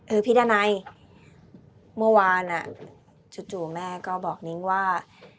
พี่ดานัยเมื่อวานอ่ะจู่แม่ก็บอกนิ้งว่า